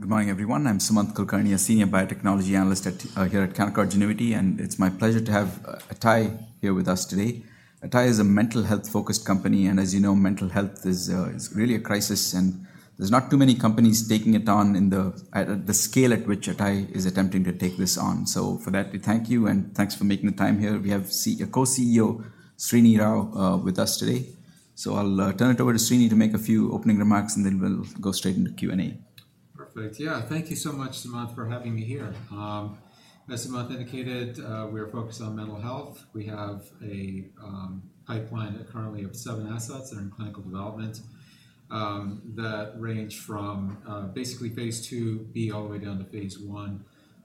Good morning, everyone. I'm Sumanth Kulkarni, a senior biotechnology analyst at here at Canaccord Genuity, and it's my pleasure to have Atai here with us today. Atai is a mental health-focused company, and as you know, mental health is is really a crisis, and there's not too many companies taking it on in the at the scale at which Atai is attempting to take this on. So for that, we thank you, and thanks for making the time here. We have our Co-CEO, Srini Rao, with us today. So I'll turn it over to Srini to make a few opening remarks, and then we'll go straight into Q&A. Perfect. Yeah, thank you so much, Sumanth, for having me here. As Sumanth indicated, we are focused on mental health. We have a pipeline currently of seven assets that are in clinical development, that range from basically phase IIb all the way down to phase I,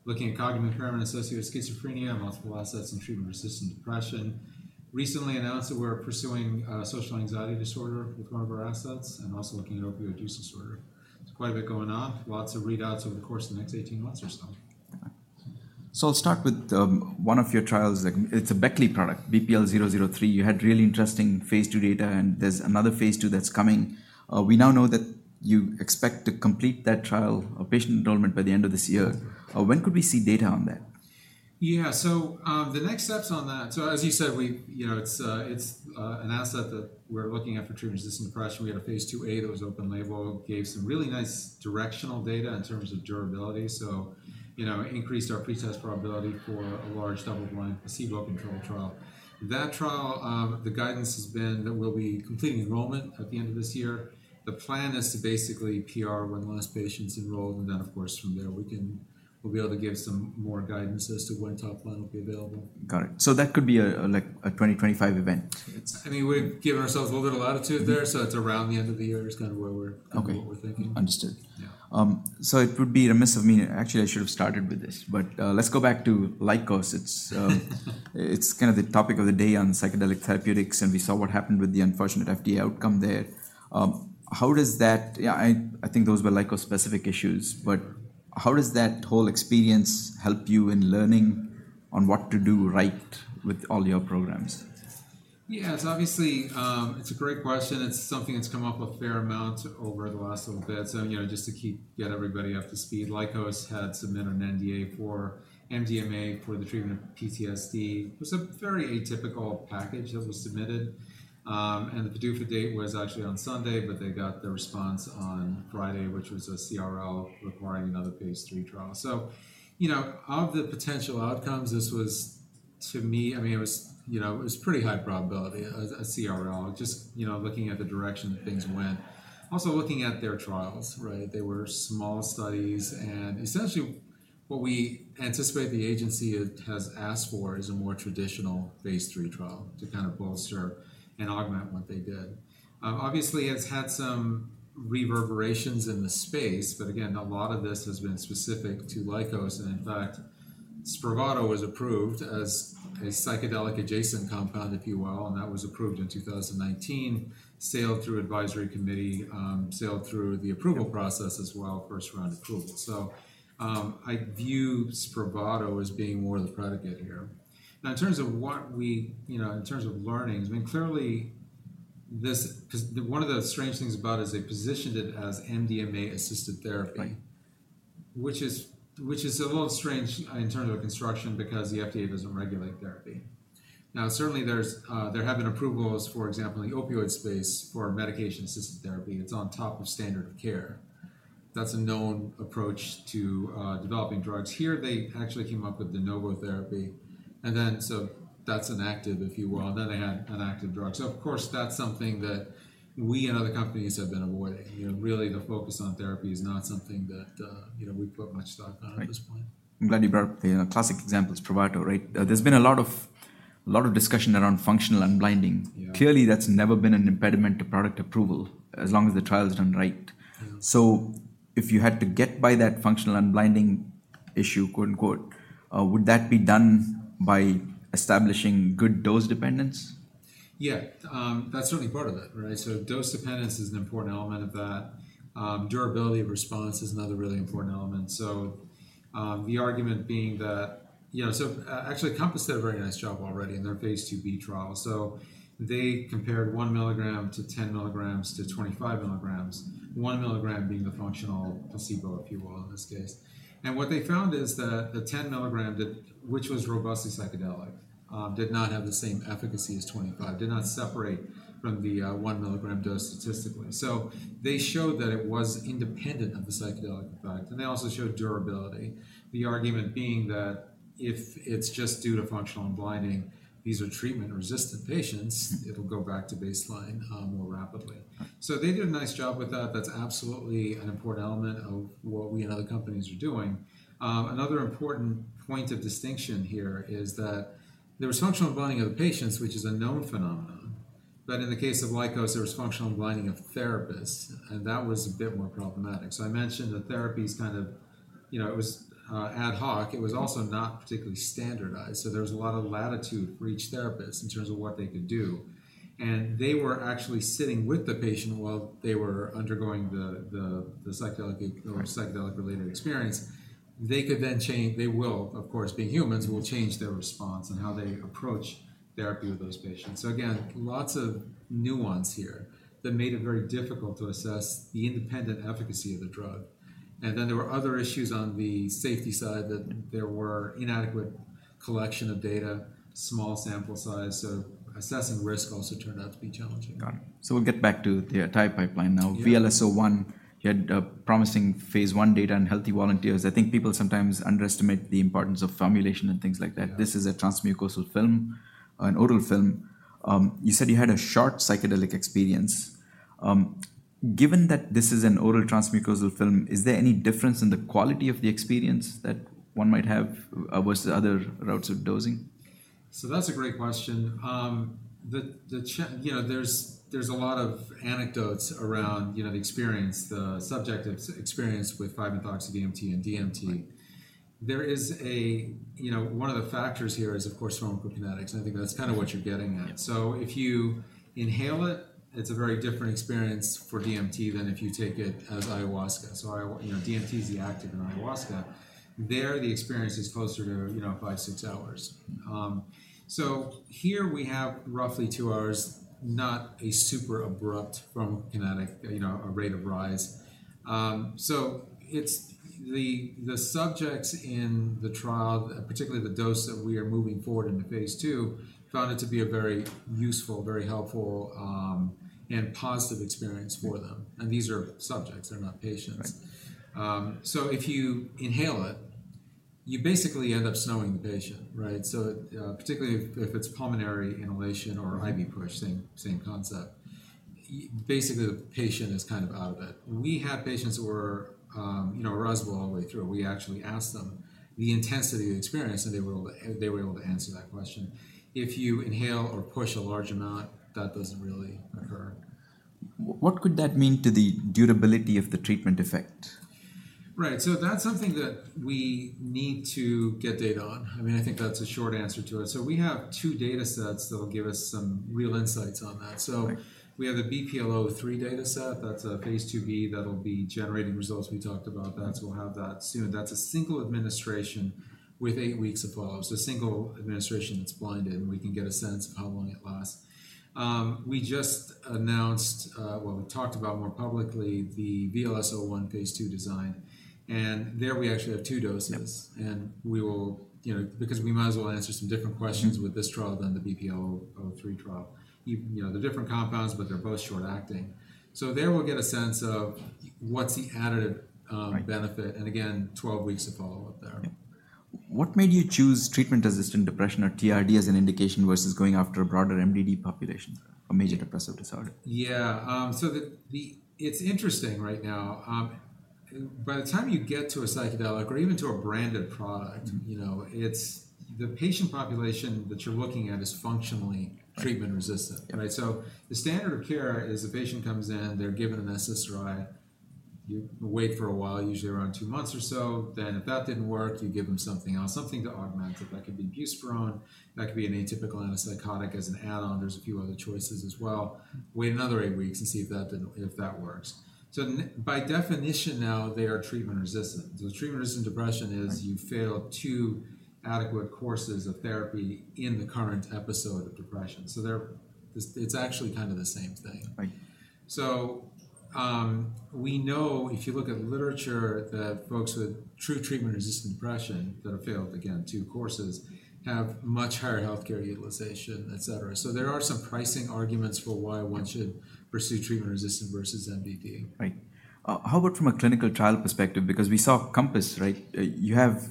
looking at cognitive impairment associated with schizophrenia, multiple assets, and treatment-resistant depression. Recently announced that we're pursuing social anxiety disorder with one of our assets and also looking at opioid use disorder. There's quite a bit going on, lots of readouts over the course of the next 18 months or so. So I'll start with one of your trials. It's a Beckley product, BPL-003. You had really interesting phase II data, and there's another phase II that's coming. We now know that you expect to complete that trial or patient enrollment by the end of this year. When could we see data on that? Yeah. So, the next steps on that—so, as you said, we, you know, it's an asset that we're looking at for treatment-resistant depression. We had a phase IIa that was open label, gave some really nice directional data in terms of durability, so, you know, increased our pre-test probability for a large double-blind, placebo-controlled trial. That trial, the guidance has been that we'll be completing enrollment at the end of this year. The plan is to basically PR when the last patient's enrolled, and then, of course, from there, we can, we'll be able to give some more guidance as to when top-line will be available. Got it. So that could be a, like, a 2025 event? It's— I mean, we've given ourselves a little bit of latitude there, so it's around the end of the year is kind of where we're— Okay. What we're thinking. Understood. Yeah. So it would be remiss of me. Actually, I should have started with this, but, let's go back to Lykos. It's, it's kind of the topic of the day on psychedelic therapeutics, and we saw what happened with the unfortunate FDA outcome there. How does that—yeah, I think those were Lykos-specific issues, but how does that whole experience help you in learning on what to do right with all your programs? Yeah, it's obviously, it's a great question. It's something that's come up a fair amount over the last little bit. So, you know, just to keep, get everybody up to speed, Lykos had submitted an NDA for MDMA for the treatment of PTSD. It was a very atypical package that was submitted, and the PDUFA date was actually on Sunday, but they got their response on Friday, which was a CRL requiring another phase III trial. So, you know, of the potential outcomes, this was, to me, I mean, it was, you know, it was pretty high probability as a CRL, just, you know, looking at the direction that things went. Also, looking at their trials, right? They were small studies, and essentially, what we anticipate the agency has asked for is a more traditional phase III trial to kind of bolster and augment what they did. Obviously, it's had some reverberations in the space, but again, a lot of this has been specific to Lykos, and in fact, SPRAVATO was approved as a psychedelic-adjacent compound, if you will, and that was approved in 2019, sailed through advisory committee, sailed through the approval process as well, first round approval. So, I view SPRAVATO as being more the predicate here. Now, in terms of what we—you know, in terms of learnings, I mean, clearly, this—because one of the strange things about it is they positioned it as MDMA-assisted therapy. Right. Which is a little strange in terms of construction because the FDA doesn't regulate therapy. Now, certainly, there have been approvals, for example, in the opioid space for medication-assisted therapy. It's on top of standard care. That's a known approach to developing drugs. Here, they actually came up with the novel therapy, and then, so that's inactive, if you will, and then they had an active drug. So, of course, that's something that we and other companies have been avoiding. You know, really, the focus on therapy is not something that, you know, we put much stock on at this point. I'm glad you brought up the classic examples, SPRAVATO, right? There's been a lot of, lot of discussion around functional unblinding. Yeah. Clearly, that's never been an impediment to product approval, as long as the trial is done right. If you had to get by that functional unblinding issue, quote-unquote, would that be done by establishing good dose dependence? Yeah. That's certainly part of it, right? So dose dependence is an important element of that. Durability of response is another really important element. So, the argument being that—you know, so, actually, COMPASS did a very nice job already in their phase IIb trial. So they compared 1 mg to 10 mg, to 25 mg, 1 mg being the functional placebo, if you will, in this case. And what they found is that the 10 mg, that which was robustly psychedelic, did not have the same efficacy as 25, did not separate from the 1 mg dose statistically. So they showed that it was independent of the psychedelic product, and they also showed durability. The argument being that if it's just due to functional unblinding, these are treatment-resistant patients, it'll go back to baseline more rapidly. So they did a nice job with that. That's absolutely an important element of what we and other companies are doing. Another important point of distinction here is that there was functional unblinding of the patients, which is a known phenomenon. But in the case of Lykos, there was functional unblinding of therapists, and that was a bit more problematic. So I mentioned the therapy's kind of, you know, it was ad hoc. It was also not particularly standardized, so there was a lot of latitude for each therapist in terms of what they could do, and they were actually sitting with the patient while they were undergoing the psychedelic or psychedelic-related experience—they could then change. They will, of course, being humans, will change their response and how they approach therapy with those patients. So again, lots of nuance here that made it very difficult to assess the independent efficacy of the drug. And then there were other issues on the safety side, that there were inadequate collection of data, small sample size. So assessing risk also turned out to be challenging. Got it. So we'll get back to the atai pipeline now. Yeah. VLS-01 had a promising phase I data in healthy volunteers. I think people sometimes underestimate the importance of formulation and things like that. Yeah. This is a transmucosal film, an oral film. You said you had a short psychedelic experience. Given that this is an oral transmucosal film, is there any difference in the quality of the experience that one might have versus the other routes of dosing? So that's a great question. You know, there's a lot of anecdotes around, you know, the experience, the subjective experience with 5-methoxy-DMT and DMT. There is. You know, one of the factors here is, of course, pharmacokinetics, and I think that's kind of what you're getting at. So if you inhale it, it's a very different experience for DMT than if you take it as ayahuasca. So ayahu—you know, DMT is the active in ayahuasca. There, the experience is closer to, you know, 5, 6 hours. So here we have roughly 2 hours, not a super abrupt pharmacokinetic, you know, a rate of rise. So it's the subjects in the trial, particularly the dose that we are moving forward into phase II, found it to be a very useful, very helpful, and positive experience for them. These are subjects. They're not patients. So if you inhale it, you basically end up snowing the patient, right? So, particularly if it's pulmonary inhalation or IV push, same, same concept. Yeah, basically, the patient is kind of out of it. We have patients who were, you know, arousal all the way through. We actually asked them the intensity of the experience, and they were able, they were able to answer that question. If you inhale or push a large amount, that doesn't really occur. What could that mean to the durability of the treatment effect? Right. So that's something that we need to get data on. I mean, I think that's a short answer to it. So we have two data sets that'll give us some real insights on that. Right. So we have the BPL-003 data set. That's a phase IIb that'll be generating results. We talked about that, so we'll have that soon. That's a single administration with eight weeks of follow-up. So a single administration that's blinded, and we can get a sense of how long it lasts. We just announced, well, we talked about more publicly the VLS-01 phase II design, and there we actually have two doses. Yep. We will—you know, because we might as well answer some different questions with this trial than the BPL-003 trial. You know, they're different compounds, but they're both short acting. So there we'll get a sense of what's the additive benefit, and again, 12 weeks of follow-up there. Okay. What made you choose treatment-resistant depression, or TRD, as an indication versus going after a broader MDD population or major depressive disorder? Yeah, so it's interesting right now. By the time you get to a psychedelic or even to a branded product you know, it's the patient population that you're looking at is functionally treatment-resistant. Right. Right? So the standard of care is a patient comes in, they're given an SSRI. You wait for a while, usually around two months or so. Then if that didn't work, you give them something else, something to augment it. That could be buspirone. That could be an atypical antipsychotic as an add-on. There's a few other choices as well. Wait another eight weeks and see if that works. So now, by definition, they are treatment-resistant. So treatment-resistant depression is you've failed two adequate courses of therapy in the current episode of depression. So, it's actually kind of the same thing. Right. We know if you look at literature, that folks with true treatment-resistant depression that have failed, again, two courses, have much higher healthcare utilization, et cetera. There are some pricing arguments for why one should pursue treatment-resistant versus MDD. Right. How about from a clinical trial perspective? Because we saw COMPASS, right? You have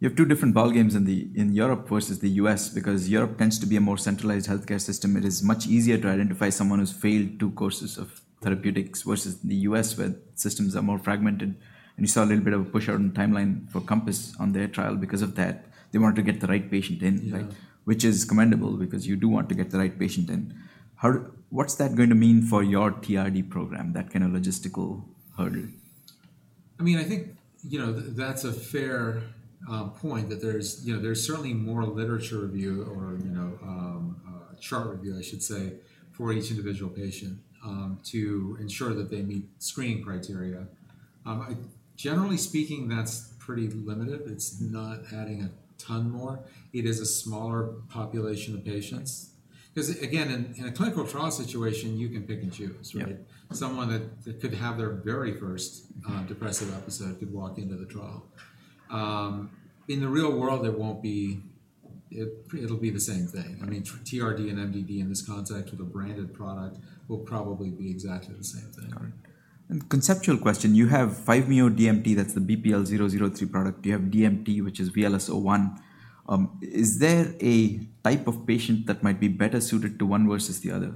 two different ballgames in Europe versus the U.S. Because Europe tends to be a more centralized healthcare system, it is much easier to identify someone who's failed two courses of therapeutics versus in the U.S., where systems are more fragmented, and you saw a little bit of a push out on the timeline for COMPASS on their trial because of that. They wanted to get the right patient in, right? Yeah. Which is commendable because you do want to get the right patient in. How—what's that going to mean for your TRD program, that kind of logistical hurdle? I mean, I think, you know, that's a fair point, that there's, you know, there's certainly more literature review or, you know, a chart review, I should say, for each individual patient, to ensure that they meet screening criteria. Generally speaking, that's pretty limited. It's not adding a ton more. It is a smaller population of patients. Because again, in a clinical trial situation, you can pick and choose, right? Yeah. Someone that could have their very first depressive episode could walk into the trial. In the real world, there won't be. It'll be the same thing. I mean, TRD and MDD in this context with a branded product will probably be exactly the same thing. Got it. And conceptual question: You have 5-MeO-DMT, that's the BPL-003 product. You have DMT, which is VLS-01. Is there a type of patient that might be better suited to one versus the other?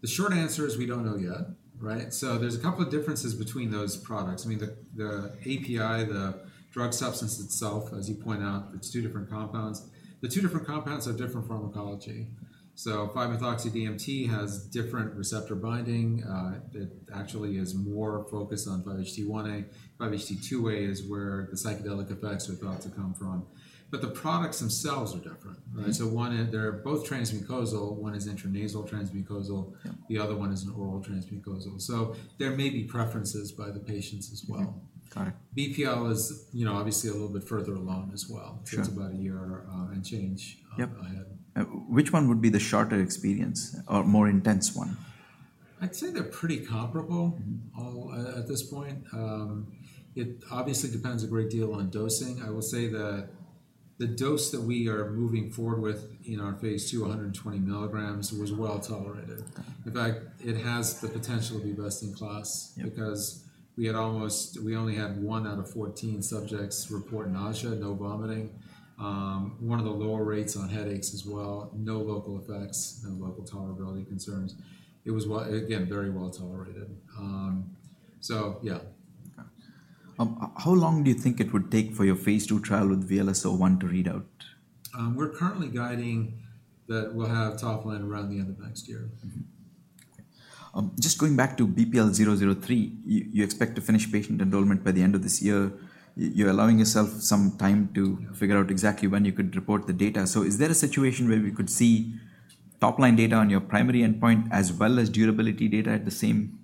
The short answer is we don't know yet, right? So there's a couple of differences between those products. I mean, the API, the drug substance itself, as you point out, it's two different compounds. The two different compounds have different pharmacology. So 5-methoxy-DMT has different receptor binding. It actually is more focused on 5-HT1A; 5-HT2A is where the psychedelic effects are thought to come from. But the products themselves are different, right? So one is they're both transmucosal. One is intranasal transmucosal the other one is an oral transmucosal. So there may be preferences by the patients as well. Mm-hmm. Got it. BPL is, you know, obviously a little bit further along as well. Sure. It's about a year, and change, ahead. Yep. Which one would be the shorter experience or more intense one? I'd say they're pretty comparable at this point. It obviously depends a great deal on dosing. I will say that the dose that we are moving forward with in our phase II, 120 mg, was well tolerated. In fact, it has the potential to be best in class because we only had 1 out of 14 subjects report nausea, no vomiting. One of the lower rates on headaches as well, no local effects, no local tolerability concerns. It was well, again, very well tolerated. So yeah. Okay. How long do you think it would take for your phase II trial with VLS-01 to read out? We're currently guiding that we'll have top line around the end of next year. Just going back to BPL-003, you expect to finish patient enrollment by the end of this year. You're allowing yourself some time to figure out exactly when you could report the data. So, is there a situation where we could see top-line data on your primary endpoint, as well as durability data at the same,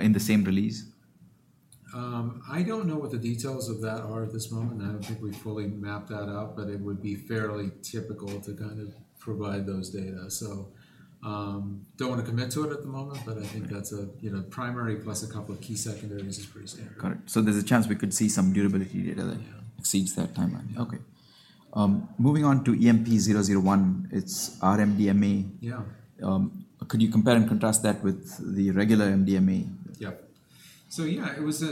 in the same release? I don't know what the details of that are at this moment. I don't think we've fully mapped that out, but it would be fairly typical to kind of provide those data. So, don't want to commit to it at the moment, but I think that's a, you know, primary, plus a couple of key secondaries is pretty standard. Got it. So, there's a chance we could see some durability data that exceeds that timeline? Yeah. Okay. Moving on to EMP-01, it's R-MDMA. Yeah. Could you compare and contrast that with the regular MDMA? Yep. So, yeah, it was.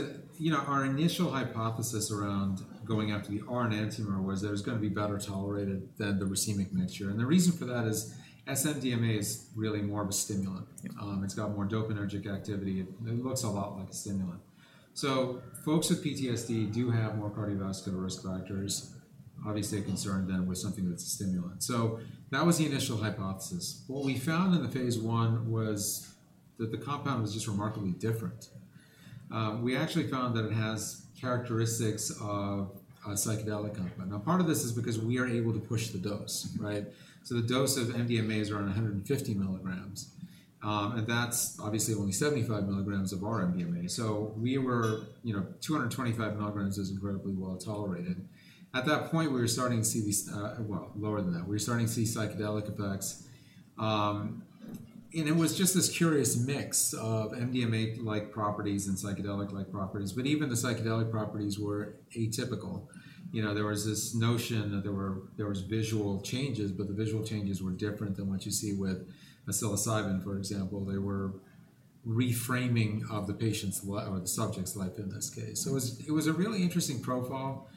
You know, our initial hypothesis around going after the R enantiomer was that it was going to be better tolerated than the racemic mixture, and the reason for that is S-MDMA is really more of a stimulant. Yeah. It's got more dopaminergic activity, it looks a lot like a stimulant. So, folks with PTSD do have more cardiovascular risk factors, obviously, a concern then with something that's a stimulant. So, that was the initial hypothesis. What we found in the phase I was that the compound was just remarkably different. We actually found that it has characteristics of a psychedelic compound. Now, part of this is because we are able to push the dose, right? So, the dose of MDMA is around 150 mg. And that's obviously only 75 mg of R-MDMA. So, you know, 225 mg is incredibly well tolerated. At that point, we were starting to see these... Well, lower than that. We were starting to see psychedelic effects. And it was just this curious mix of MDMA-like properties and psychedelic-like properties, but even the psychedelic properties were atypical. You know, there was this notion that there was visual changes, but the visual changes were different than what you see with psilocybin, for example. They were reframing of the patient's life or the subject's life, in this case. So, it was a really interesting profile.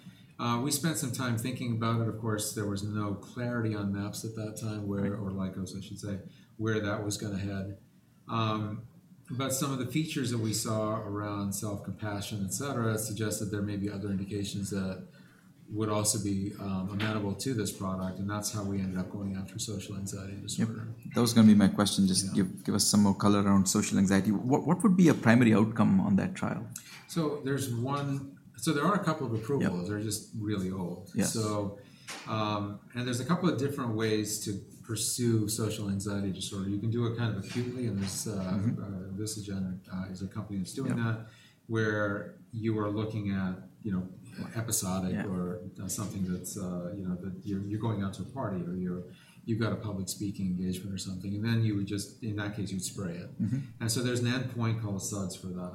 We spent some time thinking about it. Of course, there was no clarity on MAPS at that time, or Lykos, I should say, where that was going to head. But some of the features that we saw around self-compassion, et cetera, suggest that there may be other indications that would also be amenable to this product, and that's how we ended up going after social anxiety disorder. Yep. That was going to be my question. Yeah. Just give us some more color around social anxiety. What would be a primary outcome on that trial? So there are a couple of approvals. Yep. They're just really old. Yes. So, and there's a couple of different ways to pursue Social Anxiety Disorder. You can do it kind of acutely, and this, Vistagen is a company that's doing that where you are looking at, you know, episodic or something that's, you know, that you're going out to a party, or you've got a public speaking engagement or something, and then you would just, in that case, you'd spray it. And so, there's an endpoint called SUDS for that.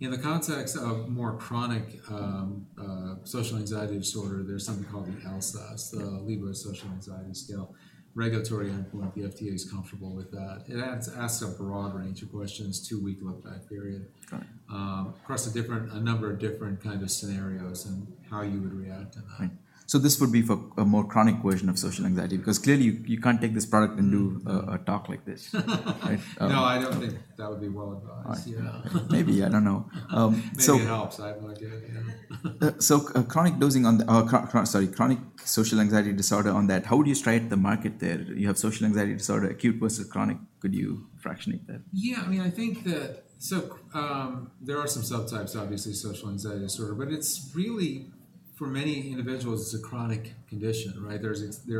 In the context of more chronic, social anxiety disorder, there's something called the LSAS, the Liebowitz Social Anxiety Scale, regulatory endpoint. The FDA is comfortable with that. It adds, asks a broad range of questions, two-week lookback period across a number of different kind of scenarios and how you would react to that. Right. So, this would be for a more chronic version of social anxiety, because clearly, you can't take this product and do a talk like this. No, I don't think that would be well advised. Maybe, I don't know. Maybe it helps. I have no idea. So chronic social anxiety disorder on that, how would you strike the market there? You have social anxiety disorder, acute versus chronic. Could you fractionate that? Yeah, I mean, I think that. So, there are some subtypes, obviously, social anxiety disorder, but it's really, for many individuals, it's a chronic condition, right? There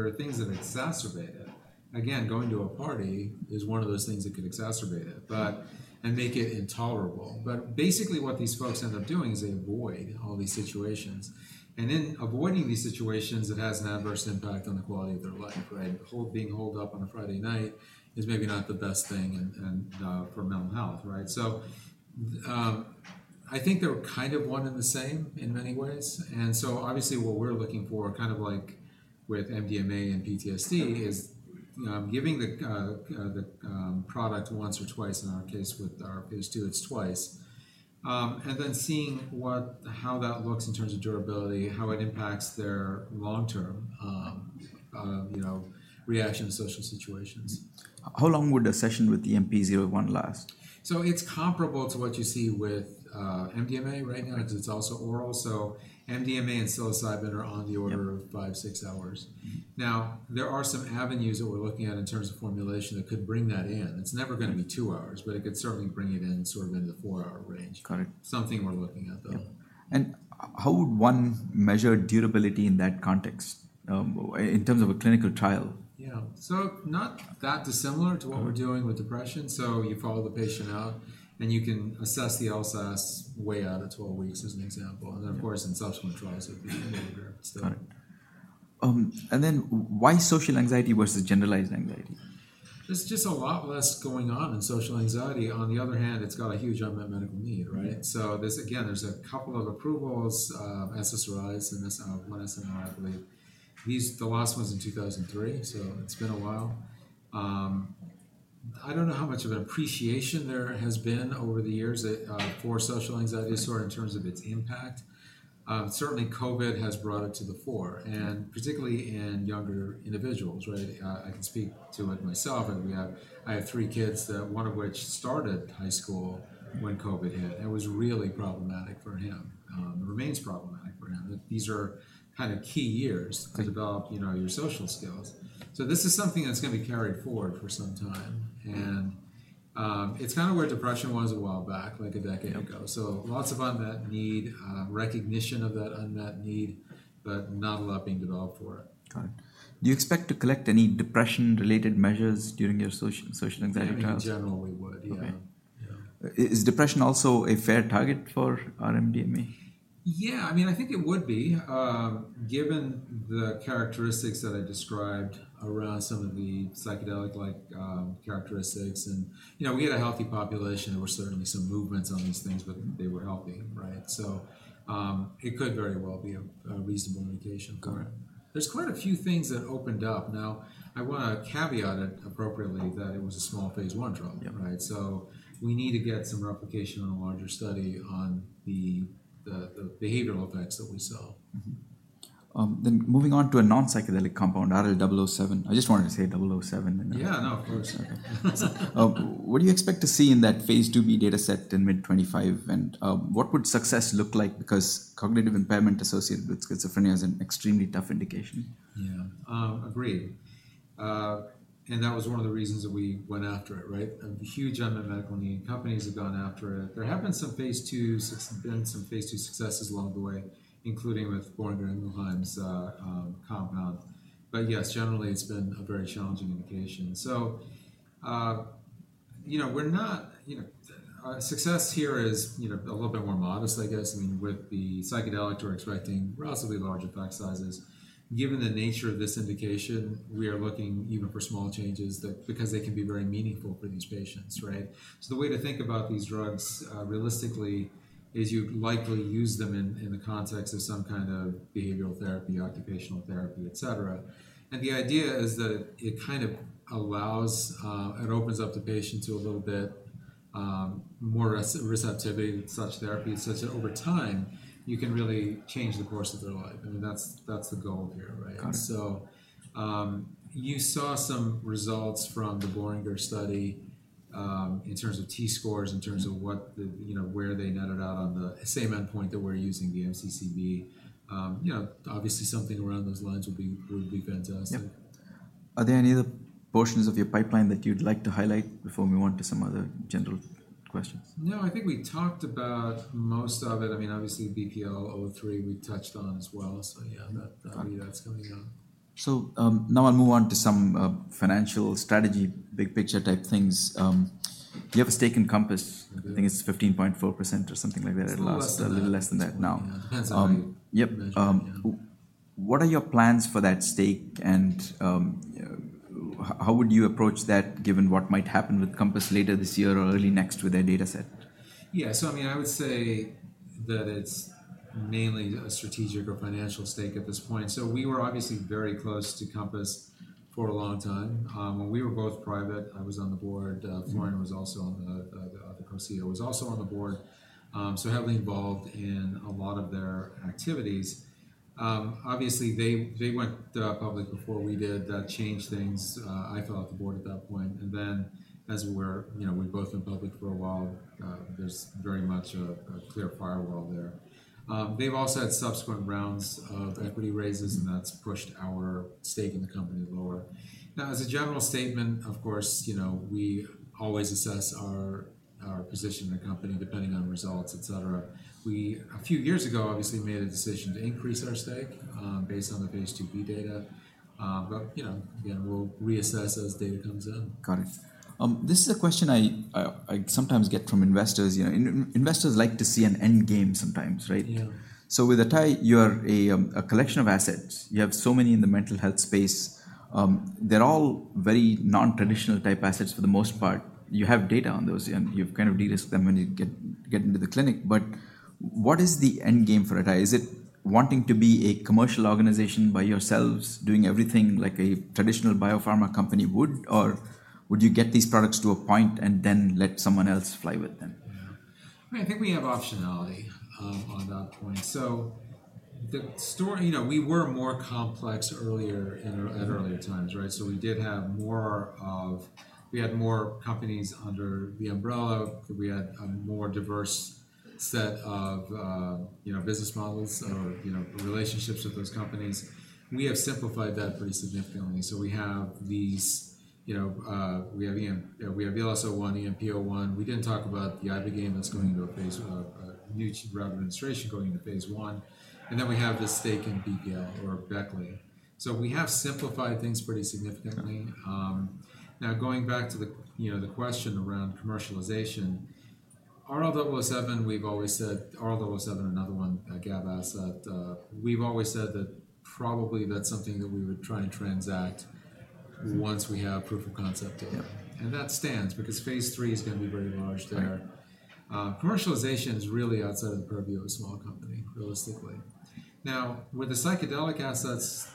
are things that exacerbate it. Again, going to a party is one of those things that could exacerbate it, but and make it intolerable. But basically, what these folks end up doing is they avoid all these situations, and in avoiding these situations, it has an adverse impact on the quality of their life, right? Being holed up on a Friday night is maybe not the best thing and for mental health, right? So, I think they're kind of one and the same in many ways, and so obviously, what we're looking for, kind of like with MDMA and PTSD, is giving the product once or twice, in our case, with our phase II, it's twice. And then seeing how that looks in terms of durability, how it impacts their long-term, you know, reaction to social situations. How long would a session with EMP-01 last? So it's comparable to what you see with MDMA right now, because it's also oral. So MDMA and psilocybin are on the order of 5, 6 hours. Now, there are some avenues that we're looking at in terms of formulation that could bring that in. It's never gonna be 2 hours, but it could certainly bring it in, sort of in the 4-hour range. Got it. Something we're looking at, though. Yeah. And how would one measure durability in that context, in terms of a clinical trial? Yeah. So not that dissimilar to what we're doing with depression. So, you follow the patient out, and you can assess the LSAS way out at 12 weeks, as an example. Yeah. And then, of course, in subsequent trials, it would be even longer, so. Got it—and then why social anxiety versus generalized anxiety? There's just a lot less going on in social anxiety. On the other hand, it's got a huge unmet medical need, right? So there's a couple of approvals, SSRIs, and one SNRI, I believe. The last one was in 2003, so it's been a while. I don't know how much of an appreciation there has been over the years for social anxiety disorder in terms of its impact. Certainly, COVID has brought it to the fore, and particularly in younger individuals, right? I can speak to it myself, and I have three kids, one of which started high school when COVID hit, and it was really problematic for him. It remains problematic for him. These are kind of key years to develop, you know, your social skills. This is something that's going to be carried forward for some time, and it's kind of where depression was a while back, like a decade ago. Yep. So, lots of unmet need, recognition of that unmet need, but not a lot being developed for it. Got it. Do you expect to collect any depression-related measures during your social anxiety trials? In general, we would, yeah. Okay. Yeah. Is depression also a fair target for R-MDMA? Yeah, I mean, I think it would be given the characteristics that I described around some of the psychedelic-like characteristics, and, you know, we had a healthy population. There were certainly some movements on these things, but they were healthy, right? So, it could very well be a reasonable indication. Got it. There's quite a few things that opened up. Now, I want to caveat it appropriately that it was a small phase I trial. Yep. Right? So we need to get some replication on a larger study on the behavioral effects that we saw. Moving on to a non-psychedelic compound, RL-007. I just wanted to say RL-007. Yeah. No, of course. What do you expect to see in that phase IIb data set in mid-2025, and what would success look like? Because cognitive impairment associated with schizophrenia is an extremely tough indication. Yeah, agreed. And that was one of the reasons that we went after it, right? A huge unmet medical need. Companies have gone after it. There have been some phase IIs, there's been some phase II successes along the way, including with Boehringer Ingelheim's compound. But yes, generally, it's been a very challenging indication. So, you know, we're not—you know, success here is, you know, a little bit more modest, I guess. I mean, with the psychedelic, we're expecting relatively large effect sizes. Given the nature of this indication, we are looking even for small changes that, because they can be very meaningful for these patients, right? So the way to think about these drugs, realistically, is you'd likely use them in the context of some kind of behavioral therapy, occupational therapy, et cetera. And the idea is that it kind of allows, it opens up the patient to a little bit more receptivity to such therapy, such that over time, you can really change the course of their life, and that's the goal here, right? Got it. So, you saw some results from the Boehringer study, in terms of T-scores, in terms of what the—you know, where they netted out on the same endpoint that we're using, the MCCB. You know, obviously, something around those lines would be, would be fantastic. Yep. Are there any other portions of your pipeline that you'd like to highlight before we move on to some other general questions? No, I think we talked about most of it. I mean, obviously, BPL-003, we touched on as well. So yeah, that, that's coming up. Now I'll move on to some financial strategy, big picture type things. You have a stake in COMPASS. I do. I think it's 15.4% or something like that, at least. It's a little less than that. A little less than that now. Yeah. That's right. Um, yep. Yeah. What are your plans for that stake, and how would you approach that, given what might happen with COMPASS later this year or early next with their data set? Yeah. I mean, I would say that it's mainly a strategic or financial stake at this point. We were obviously very close to COMPASS for a long time. When we were both private, I was on the board. Florian was also on the Co-CEO, was also on the board, so heavily involved in a lot of their activities. Obviously, they went public before we did. That changed things. I fell off the board at that point, and then, as we were—you know, we've both been public for a while, there's very much a clear firewall there. They've also had subsequent rounds of equity raises, and that's pushed our stake in the company lower. Now, as a general statement, of course, you know, we always assess our position in the company, depending on results, et cetera. We, a few years ago, obviously made a decision to increase our stake based on the phase IIb data. But, you know, again, we'll reassess as data comes in. Got it. This is a question I sometimes get from investors. You know, investors like to see an end game sometimes, right? Yeah. So with atai, you are a collection of assets. You have so many in the mental health space. They're all very non-traditional type assets for the most part. You have data on those, and you've kind of de-risked them when you get into the clinic. But what is the end game for atai? Is it wanting to be a commercial organization by yourselves, doing everything like a traditional biopharma company would? Or would you get these products to a point and then let someone else fly with them? Yeah. I mean, I think we have optionality, on that point. So the story. You know, we were more complex earlier, at earlier times, right? So we did have more of. We had more companies under the umbrella. We had a more diverse set of, you know, business models or, you know, relationships with those companies. We have simplified that pretty significantly. So we have these, you know, we have EMP-01. We have VLS-01, the EMP-01. We didn't talk about the ibogaine that's going into a phase, a new registration, going into phase I. And then we have this stake in BPL or Beckley. So we have simplified things pretty significantly. Now, going back to the, you know, the question around commercialization, RL-007, we've always said—RL-007, another one, a GABA asset, we've always said that probably that's something that we would try and transact once we have proof of concept data. Yeah. That stands because phase III is going to be very large there. Right. Commercialization is really outside of the purview of a small company, realistically. Now, with the psychedelic assets,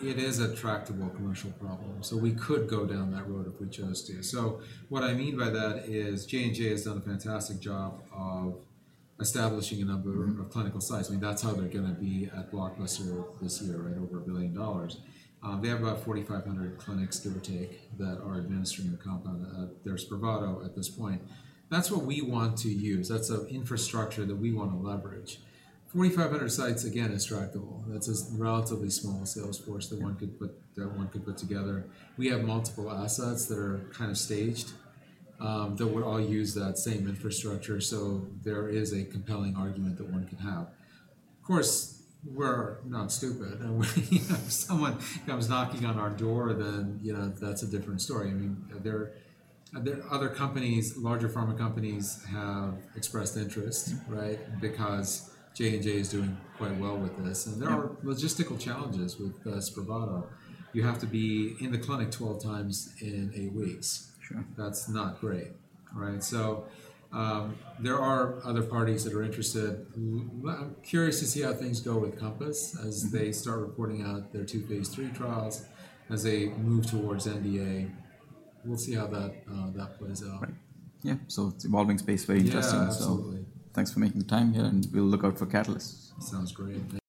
it is a tractable commercial problem, so we could go down that road if we chose to. So what I mean by that is J&J has done a fantastic job of establishing a number of clinical sites. I mean, that's how they're gonna be a blockbuster this year, right? Over $1 billion. They have about 4,500 clinics, give or take, that are administering a compound, their SPRAVATO, at this point. That's what we want to use. That's an infrastructure that we want to leverage. 4,500 sites, again, is tractable. That's a relatively small sales force that one could put, that one could put together. We have multiple assets that are kind of staged, that would all use that same infrastructure, so there is a compelling argument that one could have. Of course, we're not stupid, and if, you know, someone comes knocking on our door, then, you know, that's a different story. I mean, there, there are other companies, larger pharma companies, have expressed interest, right? Because J&J is doing quite well with this. Yeah. There are logistical challenges with SPRAVATO. You have to be in the clinic 12 times in 8 weeks. Sure. That's not great, right? So, there are other parties that are interested. I'm curious to see how things go with COMPASS as they start reporting out their two phase III trials, as they move towards NDA. We'll see how that, that plays out. Right. Yeah, so it's an evolving space. Very interesting. Yeah, absolutely. Thanks for making the time here, and we'll look out for catalysts. Sounds great. Thank you.